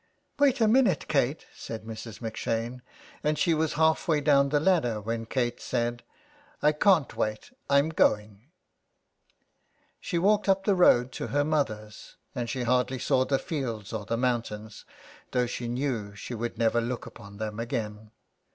" Wait a minute, Kate," said Mrs. M'Shane, and she was half way down the ladder when Kate said :— 8i F SOME PARISHIONERS. " I can't wait, I'm going." She walked up the road to her mother's, and she hardly saw the fields or the mountains, though she knew she would never look upon them again.